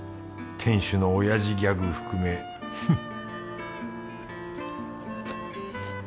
店主のおやじギャグ含めフッ